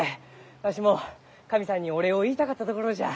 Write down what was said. わしも神さんにお礼を言いたかったところじゃ。